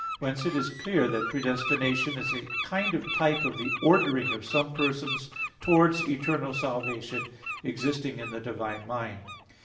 Whence it is clear that predestination is a kind of type of the ordering of some persons towards eternal salvation, existing in the divine mind.